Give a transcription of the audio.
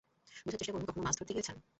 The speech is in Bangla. বুঝার চেষ্টা করুন, - কখনো মাছ ধরতে গিয়েছেন?